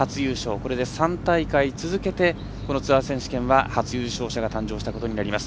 これで３大会続けてこのツアー選手権は初優勝者が誕生したことになります。